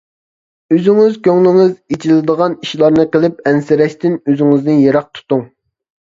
ئۆزىڭىز كۆڭلىڭىز ئېچىلىدىغان ئىشلارنى قىلىپ ئەنسىرەشتىن ئۆزىڭىزنى يىراق تۇتۇڭ.